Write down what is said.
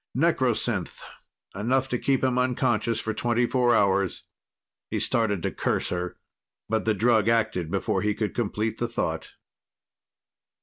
Necrosynth enough to keep him unconscious for twenty four hours. He started to curse her, but the drug acted before he could complete the thought.